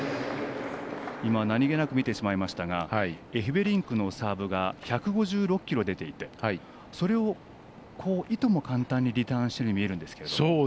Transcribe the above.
今、何気なく見てしまいましたがエフベリンクのサーブが１５６キロ出ていてそれをいとも簡単にリターンしてるように見えるんですけど。